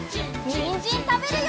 にんじんたべるよ！